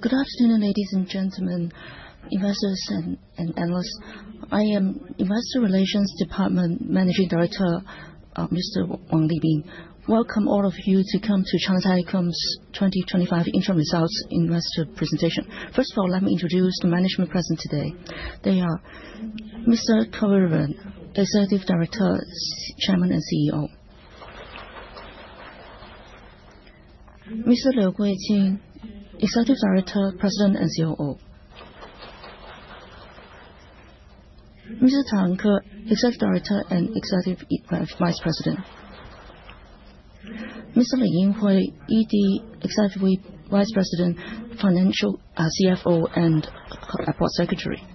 Good afternoon, ladies and gentlemen, investors and analysts. I am Investor Relations Department Managing Director, Mr. Wang Libin. Welcome all of you to come to China Telecom's 2025 interim results investor presentation. First of all, let me introduce the management present today. They are Mr. Ke Ruiwen, Executive Director, Chairman, and CEO. Mr. Liu Guiqing, Executive Director, President and COO. Mr. Tang Ke, Executive Director and Executive Vice President. Mr. Li Yinghui, ED, Executive Vice President, Financial CFO, and Corporate Secretary.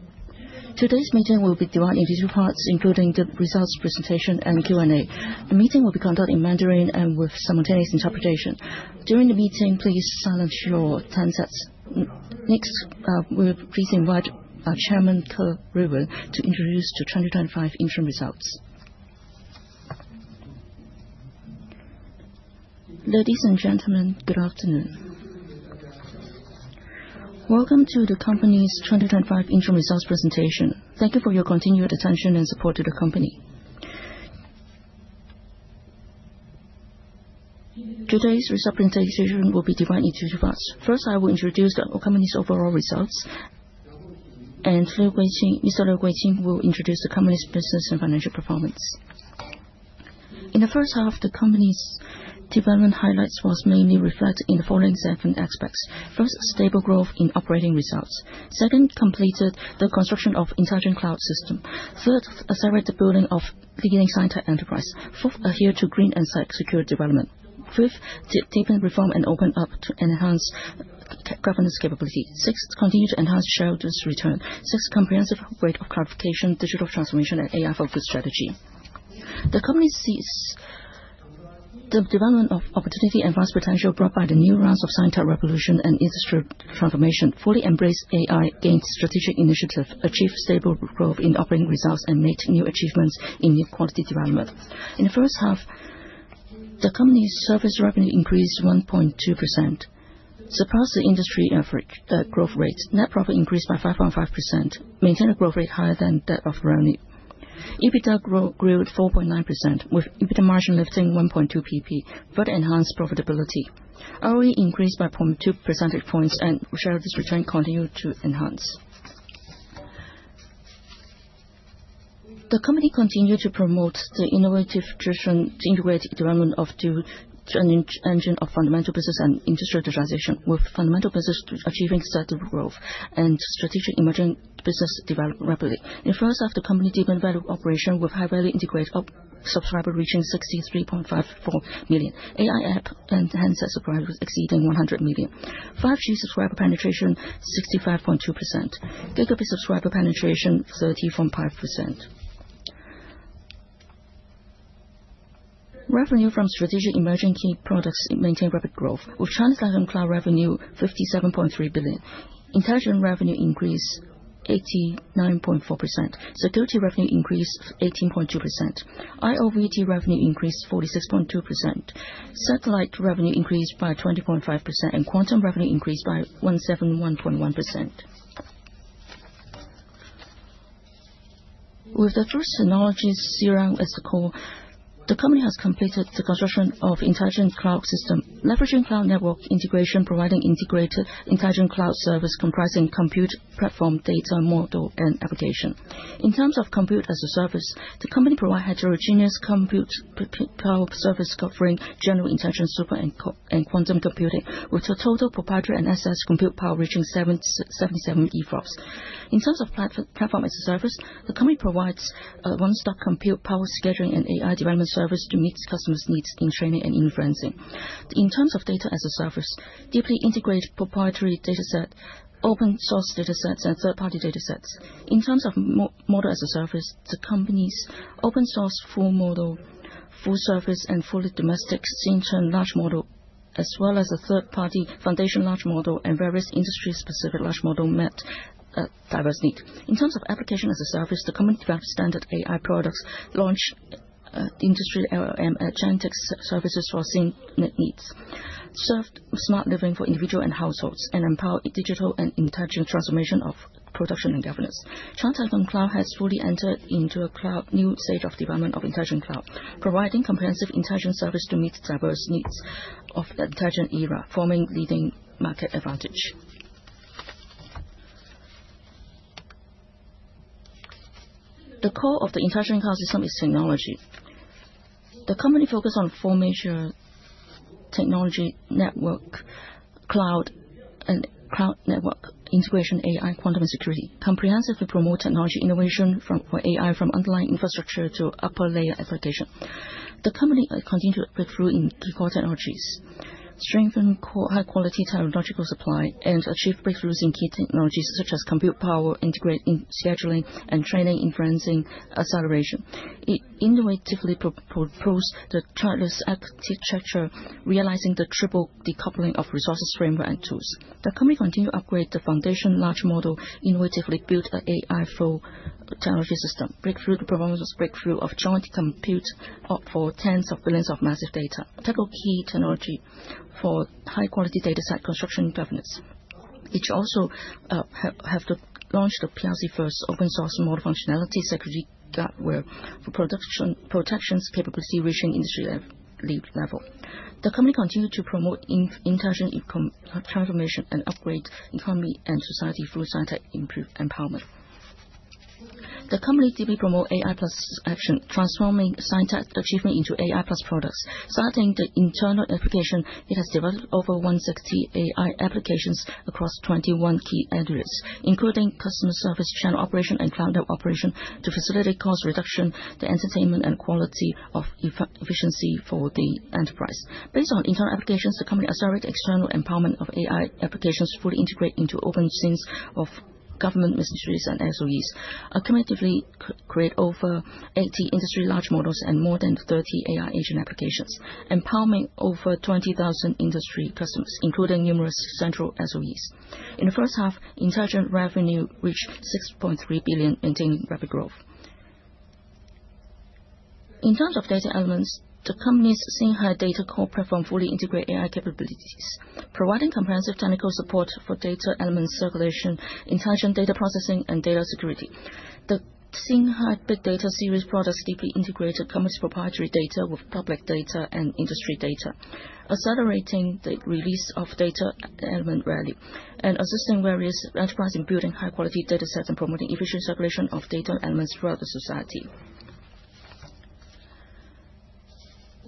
Today's meeting will be divided into 2 parts, including the results presentation and Q&A. The meeting will be conducted in Mandarin and with simultaneous interpretation. During the meeting, please silence your handsets. Next, we'll please invite our Chairman, Ke Ruiwen, to introduce the 2025 interim results. Ladies and gentlemen, good afternoon. Welcome to the company's 2025 interim results presentation. Thank you for your continued attention and support to the company. Today's result presentation will be divided into 2 parts. First, I will introduce the company's overall results, and Mr. Liu Guiqing will introduce the company's business and financial performance. In the first half, the company's development highlights were mainly reflected in the following 7 aspects. First, stable growth in operating results. Second, completed the construction of intelligent cloud system. Third, accelerate the building of leading scientific enterprise. Fourth, adhere to green and secure development. Fifth, deepen reform and open up to enhance governance capability. Sixth, continue to enhance shareholders' return. Sixth, comprehensive rate of clarification, digital transformation and AI-focused strategy. The company sees the development of opportunity and vast potential brought by the new rounds of scientific revolution and industry transformation, fully embrace AI, gain strategic initiative, achieve stable growth in operating results, and make new achievements in new quality development. In the first half, the company's service revenue increased 1.2%, surpassed the industry average growth rate. Net profit increased by 5.5%, maintained a growth rate higher than that of revenue. EBITDA grew at 4.9%, with EBITDA margin lifting 1.2 percentage points, further enhanced profitability. ROE increased by 0.2 percentage points and shareholders' return continued to enhance. The company continued to promote the innovative integration, integrated development of the engine of fundamental business and industry digitization, with fundamental business achieving steady growth and strategic emerging business developed rapidly. In the first half, the company deepened value operation with high-value integrated subscriber reaching 63.54 million. AI app and handset subscribers exceeding 100 million. 5G subscriber penetration, 65.2%. Gigabyte subscriber penetration, 30.5%. Revenue from strategic emerging key products maintained rapid growth, with China Telecom Cloud revenue 57.3 billion. Intelligent revenue increased 89.4%. Security revenue increased 18.2%. IoT revenue increased 46.2%. Satellite revenue increased by 20.5%, and quantum revenue increased by 171.1%. With the first analogies as the core, the company has completed the construction of intelligent cloud system, leveraging cloud network integration, providing integrated intelligent cloud service comprising compute platform, data model, and application. In terms of compute as a service, the company provide heterogeneous compute power service covering general intelligence, super, and quantum computing, with a total proprietary and SS compute power reaching 77 EFLOPS. In terms of platform as a service, the company provides a one-stop compute power scheduling and AI development service to meet customers' needs in training and inferencing. In terms of data as a service, deeply integrated proprietary dataset, open source datasets, and third-party datasets. In terms of model as a service, the company's open source full model, full service, and fully domestic large model, as well as a third-party foundation large model and various industry-specific large model met diverse need. In terms of application as a service, the company developed standard AI products, launched industry LLM agentic services for seeing needs, served smart living for individual and households, and empower digital and intelligent transformation of production and governance. China Telecom Cloud has fully entered into a new stage of development of intelligent cloud, providing comprehensive intelligent service to meet the diverse needs of the intelligent era, forming leading market advantage. The core of the intelligent cloud system is technology. The company focus on four major technology, network, cloud, and cloud network integration, AI, quantum, and security. Comprehensive to promote technology innovation for AI from underlying infrastructure to upper layer application. The company continued breakthrough in the core technologies, strengthened high-quality technological supply, and achieved breakthroughs in key technologies such as compute power, integrated scheduling, and training inferencing acceleration. It innovatively proposed the chartless architecture, realizing the triple decoupling of resources, framework, and tools. The company continued to upgrade the foundation large model, innovatively built an AI flow technology system, breakthrough the performance, breakthrough of joint compute power for tens of billions of massive data, tackle key technology for high-quality dataset construction governance. It also have to launch the PRC first open source model functionality security guard, where for protections capability reaching industry level. The company continue to promote intelligent transformation and upgrade economy and society through sci-tech improvement empowerment. The company deeply promote AI+ action, transforming sci-tech achievement into AI+ products. Starting the internal application, it has developed over 160 AI applications across 21 key areas, including customer service, channel operation, and counter operation to facilitate cost reduction, enhancement, and quality and efficiency for the enterprise. Based on internal applications, the company accelerate external empowerment of AI applications to fully integrate into open scenes of government ministries and SOEs. Accumulatively create over 80 industry large models and more than 30 AI agent applications, empowering over 20,000 industry customers, including numerous central SOEs. In the first half, intelligent revenue reached 6.3 billion, maintaining rapid growth. In terms of data elements, the company's Xinghu data core platform fully integrate AI capabilities, providing comprehensive technical support for data element circulation, intelligent data processing, and data security. The Xinghu Big Data series products deeply integrated company's proprietary data with public data and industry data, accelerating the release of data element value and assisting various enterprise in building high-quality datasets and promoting efficient circulation of data elements throughout the society.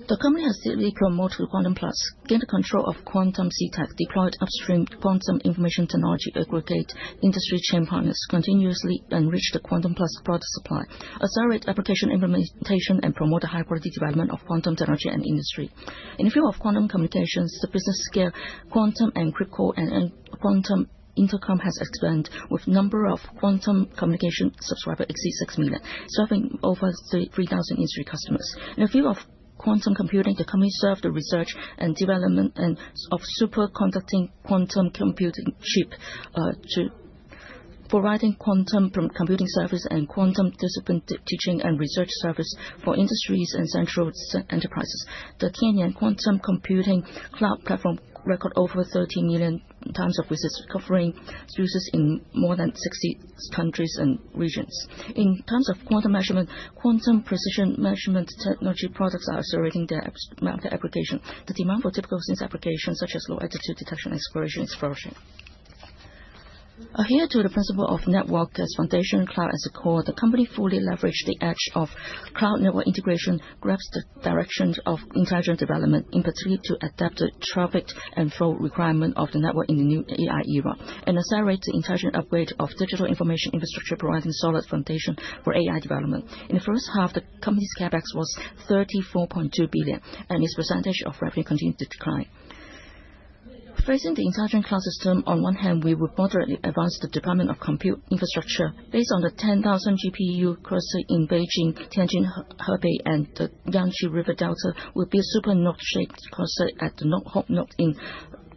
The company has deeply promoted Quantum+, gained control of QuantumCTek, deployed upstream quantum information technology, aggregate industry chain partners, continuously enrich the Quantum+ product supply, accelerate application implementation, and promote the high-quality development of quantum technology and industry. In view of quantum communications, the business scale quantum encryption core and quantum intercom has expanded with number of quantum communication subscriber exceed 6 million, serving over 3,000 industry customers. In view of quantum computing, the company serve the research and development of superconducting quantum computing chip, providing quantum computing service and quantum discipline teaching and research service for industries and central enterprises. The Tianyan Quantum Computing cloud platform record over 13 million times of visits, covering users in more than 60 countries and regions. In terms of quantum measurement, quantum precision measurement technology products are accelerating their application. The demand for typical business applications such as low-altitude detection exploration is flourishing. Adhere to the principle of network as foundation, cloud as the core, the company fully leverage the edge of cloud network integration, grabs the directions of intelligent development in pursuit to adapt the traffic and flow requirement of the network in the new AI era, and accelerate the intelligent upgrade of digital information infrastructure, providing solid foundation for AI development. In the first half, the company's CapEx was 34.2 billion, and its percentage of revenue continued to decline. Facing the intelligent cloud system, on one hand, we would moderately advance the development of compute infrastructure. Based on the 10,000 GPU cluster in Beijing, Tianjin, Hebei, and the Yangtze River Delta, will be a super node shaped cluster at the north node in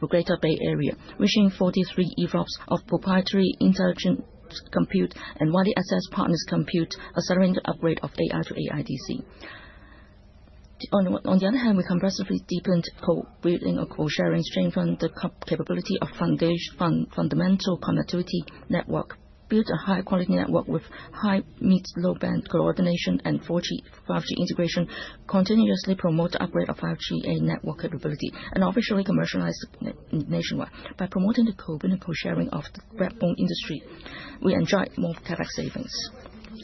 the Greater Bay Area, reaching 43 EFLOPS of proprietary intelligent compute and widely access partners' compute, accelerating the upgrade of AI to AIDC. On the other hand, we comprehensively deepened co-building or co-sharing, strengthen the capability of fundamental connectivity network. We built a high-quality network with high, mid, low band coordination and 4G, 5G integration, continuously promote the upgrade of 5G and network capability, and officially commercialized nationwide. By promoting the co-building or co-sharing of the broadband industry, we enjoyed more CapEx savings.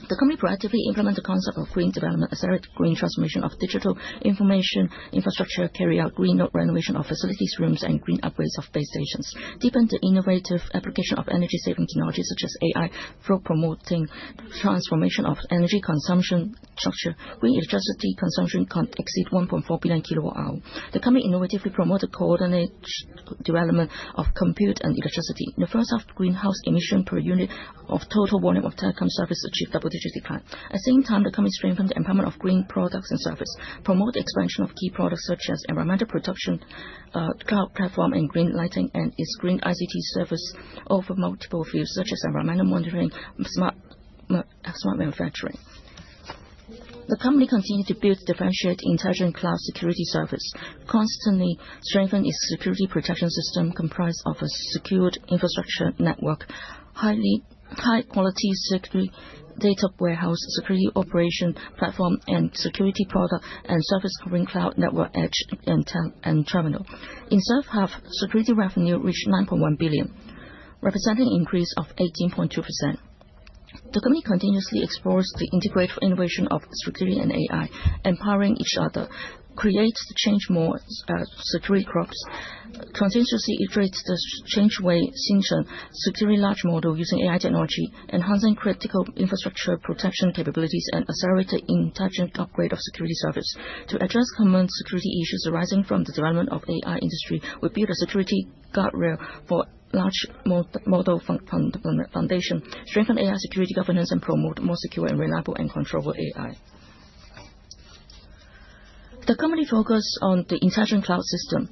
The company proactively implement the concept of green development, accelerate green transformation of digital information infrastructure, carry out green renovation of facilities rooms, and green upgrades of base stations, deepen the innovative application of energy-saving technologies such as AI through promoting transformation of energy consumption structure. Green electricity consumption can exceed 1.4 billion kilowatt-hours. The company innovatively promote the coordinated development of compute and electricity. In the first half, greenhouse emission per unit of total volume of telecom service achieve double-digit decline. At the same time, the company strengthen the empowerment of green products and service, promote the expansion of key products such as environmental protection cloud platform and green lighting and its green ICT service over multiple fields such as environmental monitoring and smart manufacturing. The company continue to build differentiated intelligent cloud security service, constantly strengthen its security protection system comprised of a secured infrastructure network, high-quality security data warehouse, security operation platform, and security product and service covering cloud, network, edge, and terminal. In first half, security revenue reached 9.1 billion, representing increase of 18.2%. The company continuously explores the integrative innovation of security and AI, empowering each other, creates the change more security products, continuously iterates the ChangeWave Xingchen security large model using AI technology, enhancing critical infrastructure protection capabilities, and accelerate the intelligent upgrade of security service. To address common security issues arising from the development of AI industry, we build a security guardrail for large model foundation, strengthen AI security governance, and promote more secure, reliable, and controllable AI. The company focus on the intelligent cloud system.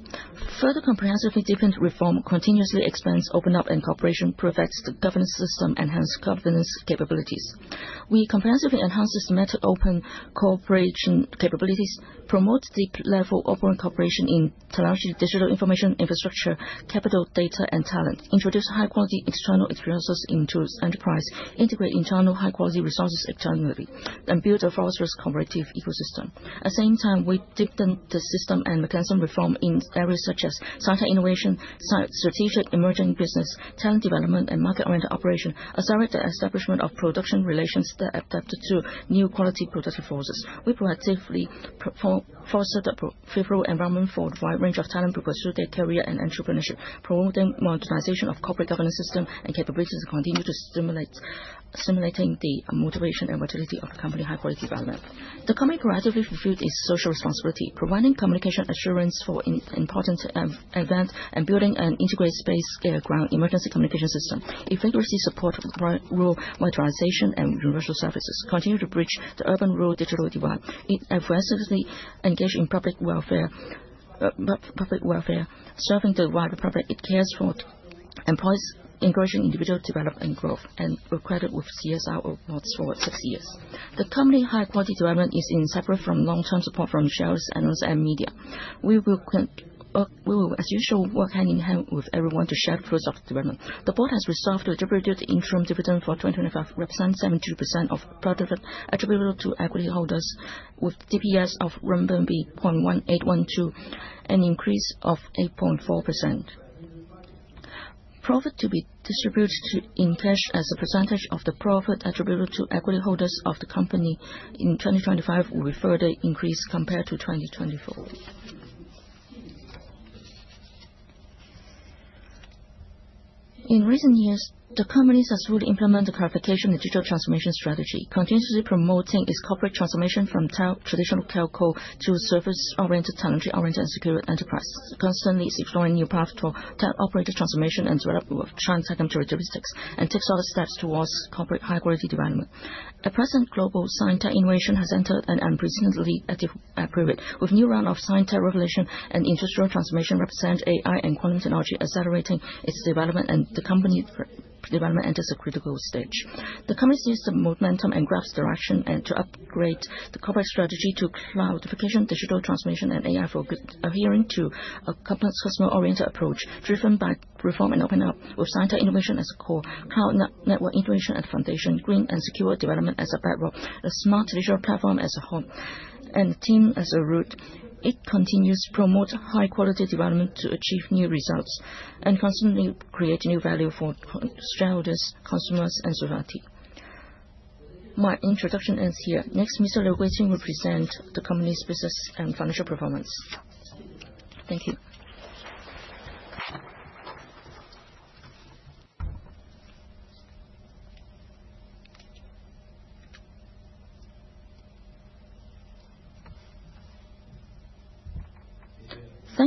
Further comprehensively different reform continuously expands open up and cooperation, perfects the governance system, enhances governance capabilities. We comprehensively enhance meta open cooperation capabilities, promote deep-level open cooperation in technology, digital information, infrastructure, capital, data, and talent. Introduce high-quality external resources into the enterprise, integrate internal high-quality resources externally, and build a fortress cooperative ecosystem. At the same time, we deepen the system and mechanism reform in areas such as sci-tech innovation, strategic emerging business, talent development, and market-oriented operation, accelerate the establishment of production relations that adapt to new quality productive forces. We proactively foster the favorable environment for a wide range of talent to pursue their career and entrepreneurship, promoting modernization of corporate governance system and capabilities to continue to stimulate the motivation and vitality of the company's high-quality development. The company proactively fulfilled its social responsibility, providing communication assurance for important events and building an integrated space-scale ground emergency communication system, effectively supporting rural modernization and universal services, continuing to bridge the urban-rural digital divide. It aggressively engages in public welfare, serving the wider public it cares for, employs, engaging individual development and growth, and is accredited with CSR awards for six years. The company's high-quality development is inseparable from long-term support from shareholders, analysts, and media. We will as usual work hand in hand with everyone to share the fruits of development. The board has resolved to distribute interim dividend for 2025, representing 72% of profit attributable to equity holders with DPS of RMB 0.1812, an increase of 8.4%. Profit to be distributed in cash as a percentage of the profit attributable to equity holders of the company in 2025 will further increase compared to 2024. In recent years, the company has fully implemented the clarification of digital transformation strategy, continuously promoting its corporate transformation from traditional telco to service-oriented, technology-oriented, and secure enterprise. Constantly exploring new paths to telco operator transformation and developing China Telecom characteristics and taking other steps towards corporate high-quality development. At present, global sci-tech innovation has entered an unprecedentedly active period, with a new round of sci-tech revolution and industrial transformation represented by AI and quantum technology accelerating its development, and the company's development enters a critical stage. The company seeks the momentum and grasps direction and to upgrade the corporate strategy to cloudification, digital transformation, and AI for good, adhering to a complex customer-oriented approach driven by reform and open up with sci-tech innovation as the core, cloud-network integration at the foundation, green and secure development as a bedrock, a smart digital platform as a home, and team as a root. It continues to promote high-quality development to achieve new results and constantly create new value for shareholders, customers, and society. My introduction ends here. Next, Mr. Liu Guozhi will present the company's business and financial performance. Thank you.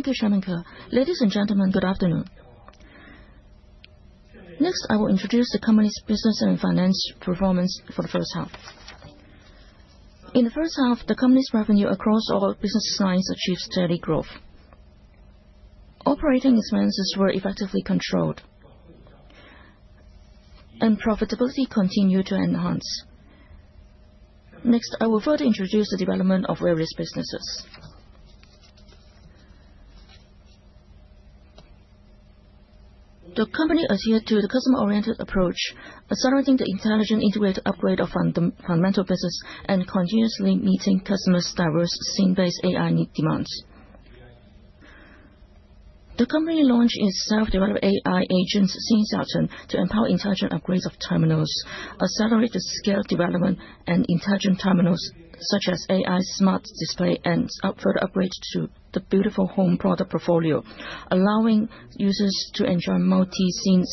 Thank you, Chairman Ke. Ladies and gentlemen, good afternoon. Next, I will introduce the company's business and financial performance for the first half. In the first half, the company's revenue across all business lines achieved steady growth. Operating expenses were effectively controlled, and profitability continued to enhance. Next, I will further introduce the development of various businesses. The company adhered to the customer-oriented approach, accelerating the intelligent integrated upgrade of fundamental business and continuously meeting customers' diverse scene-based AI demands. The company launched its self-developed AI agent, Xingxing, to empower intelligent upgrades of terminals, accelerate the scale development and intelligent terminals such as AI smart display and further upgrade to the beautiful home product portfolio, allowing users to enjoy multi-scenes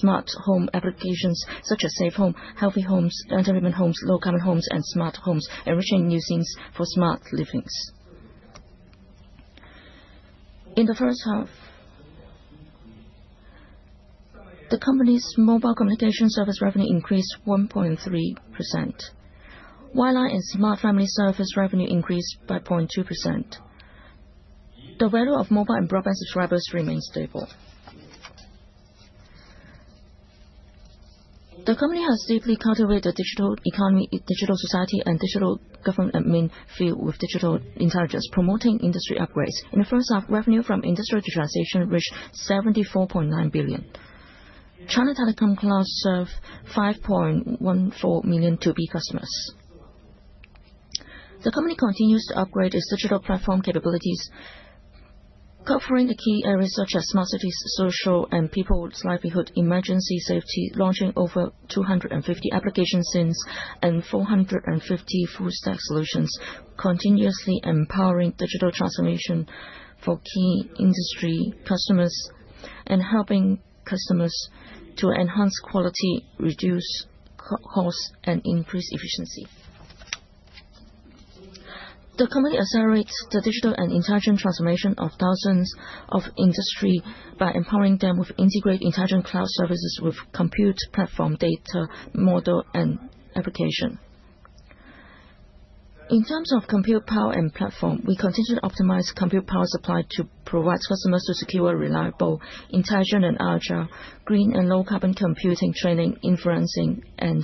smart home applications such as safe home, healthy homes, entertainment homes, low-carbon homes, and smart homes, enriching new scenes for smart livings. In the first half, the company's mobile communication service revenue increased 1.3%. Wireless smart family service revenue increased by 0.2%. The value of mobile and broadband subscribers remains stable. The company has deeply cultivated the digital economy, digital society and digital government admin field with digital intelligence, promoting industry upgrades. In the first half, revenue from industry digitization reached 74.9 billion. China Telecom Cloud served 5.14 million 2B customers. The company continues to upgrade its digital platform capabilities, covering the key areas such as smart cities, social and people's livelihood, emergency safety, launching over 250 application scenes and 450 full-stack solutions, continuously empowering digital transformation for key industry customers and helping customers to enhance quality, reduce cost, and increase efficiency. The company accelerates the digital and intelligent transformation of thousands of industry by empowering them with integrated intelligent cloud services with compute platform, data model, and application. In terms of compute power and platform, we continue to optimize compute power supply to provide customers with secure, reliable, intelligent and agile, green and low-carbon computing training, influencing and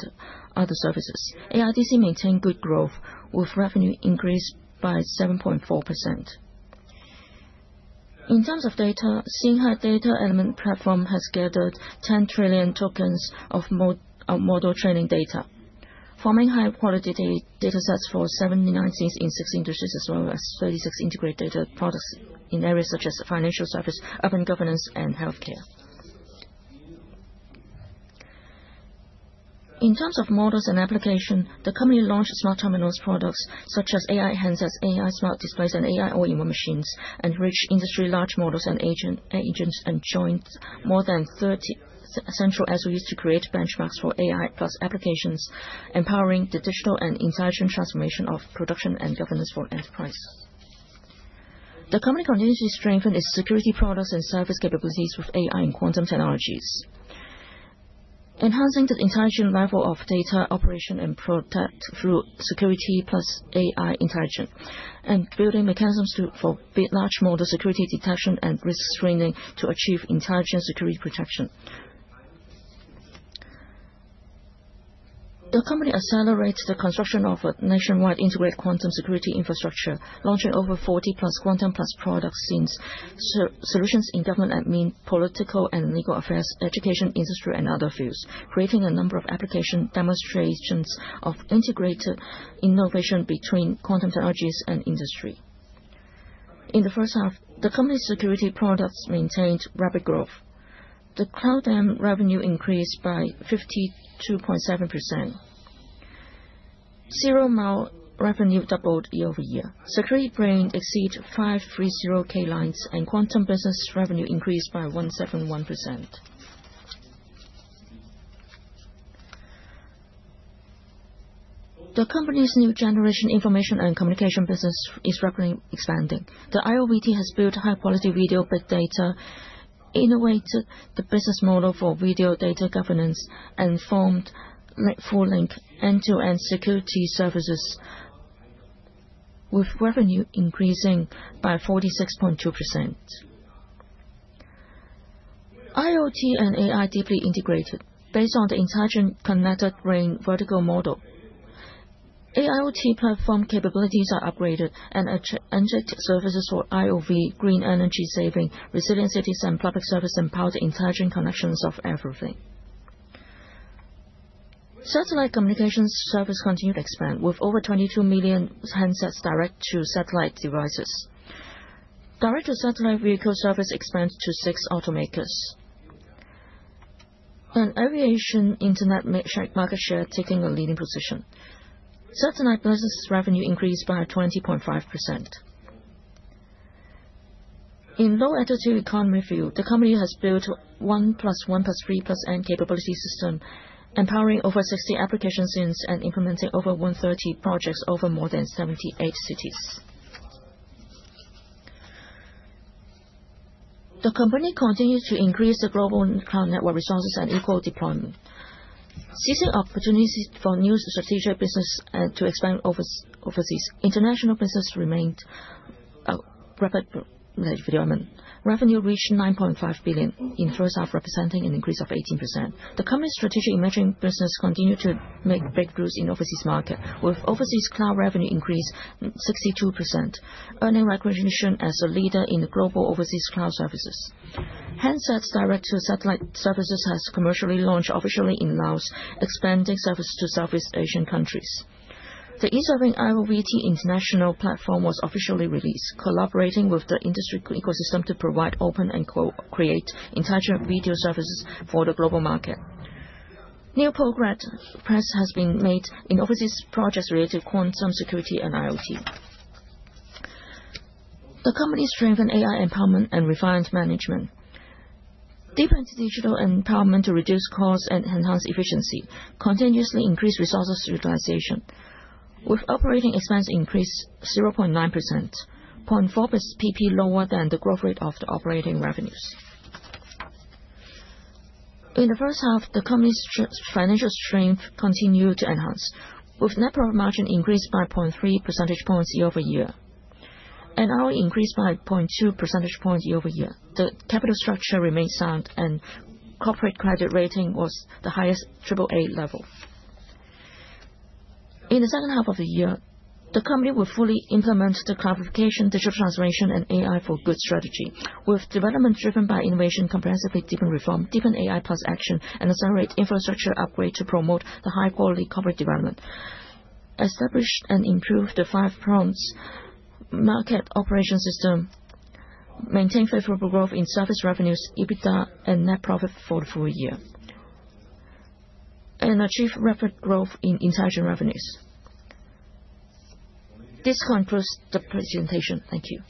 other services. AIDC maintained good growth with revenue increased by 7.4%. In terms of data, Xinghu data element platform has gathered 10 trillion tokens of model training data, forming high-quality data sets for 79 things in six industries, as well as 36 integrated data products in areas such as financial service, urban governance, and healthcare. In terms of models and application, the company launched smart terminals products such as AI handsets, AI smart displays, and AI OBU machines, and rich industry large models and agents, and joins more than 30 central SOEs to create benchmarks for AI plus applications, empowering the digital and intelligent transformation of production and governance for enterprise. The company continues to strengthen its security products and service capabilities with AI and quantum technologies, enhancing the intelligent level of data operation and protect through security plus AI intelligence, and building mechanisms for large model security detection and risk screening to achieve intelligent security protection. The company accelerates the construction of a nationwide integrated quantum security infrastructure, launching over 40+ Quantum+ products since. Solutions in government admin, political and legal affairs, education, industry, and other fields, creating a number of application demonstrations of integrated innovation between quantum technologies and industry. In the first half, the company's security products maintained rapid growth. The Cloud Dam revenue increased by 52.7%. Zero Mile revenue doubled year-over-year. Security Brain exceeds 530K lines, and quantum business revenue increased by 171%. The company's new generation information and communication business is rapidly expanding. The IoVT has built high-quality video big data, innovated the business model for video data governance, and formed full-link end-to-end security services with revenue increasing by 46.2%. IoT and AI deeply integrated based on the intelligent connected brain vertical model. AIoT platform capabilities are upgraded and inject services for IOV, green energy saving, resilient cities and public service, and power intelligent connections of everything. Satellite communications service continued to expand, with over 22 million handsets direct to satellite devices. Direct-to-satellite vehicle service expands to six automakers. Aviation internet market share taking a leading position. Satellite business revenue increased by 20.5%. In low altitude economy field, the company has built one plus one plus three plus N capability system, empowering over 60 application scenes and implementing over 130 projects over more than 78 cities. The company continued to increase the global cloud network resources and eco deployment. Seizing opportunities for new strategic business to expand overseas. International business remained rapid development. Revenue reached 9.5 billion in first half, representing an increase of 18%. The company's strategic emerging business continued to make breakthroughs in overseas market, with overseas cloud revenue increase 62%, earning recognition as a leader in the global overseas cloud services. Handset's direct-to-satellite services has commercially launched officially in Laos, expanding services to Southeast Asian countries. The e-serving IoVT international platform was officially released, collaborating with the industry ecosystem to provide open and co-create intelligent video services for the global market. New progress has been made in overseas projects related to quantum security and IoT. The company strengthened AI empowerment and refined management, deepened digital empowerment to reduce costs and enhance efficiency, continuously increased resources utilization, with operating expense increase 0.9%, 0.4 pp lower than the growth rate of the operating revenues. In the first half, the company's financial strength continued to enhance, with net profit margin increase by 0.3 percentage points year-over-year and ROE increased by 0.2 percentage points year-over-year. The capital structure remains sound and corporate credit rating was the highest triple A level. In the second half of the year, the company will fully implement the cloudification, digital transformation and AI for good strategy with development driven by innovation, comprehensively deepen reform, deepen AI plus action, and accelerate infrastructure upgrade to promote the high-quality corporate development. Establish and improve the five prompts market operation system. Maintain favorable growth in service revenues, EBITDA, and net profit for the full year. Achieve rapid growth in intelligent revenues. This concludes the presentation. Thank you.